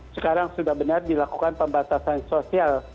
sekarang sudah benar dilakukan pembatasan sosial